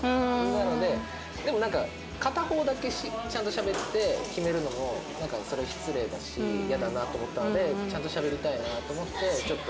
なのででもなんか片方だけちゃんとしゃべって決めるのもそれは失礼だしイヤだなと思ったのでちゃんとしゃべりたいなと思ってちょっと。